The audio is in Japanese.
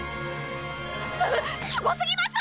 すすごすぎます！